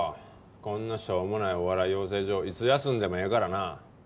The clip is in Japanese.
こんなしょうもないお笑い養成所いつ休んでもええからな。